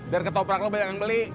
biar ketoprak lo banyak yang beli